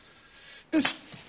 よし！